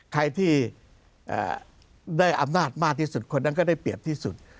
ใครที่ได้อำนาจมากที่สุดคนนั้นก็ได้เปรียบที่สุด